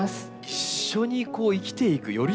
一緒に生きていく寄り添う